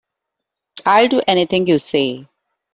I'll do anything you say.